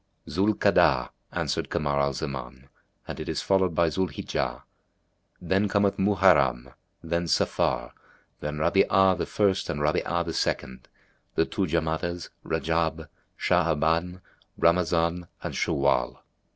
"Zú'l Ka'adah," answered Kamar al Zaman, "and it is followed by Zú'l hijjah; then cometh Muharram, then Safar, then Rabí'a the First and Rabí'a the Second, the two Jamádás, Rajab, Sha'aban, Ramazán and Shawwál."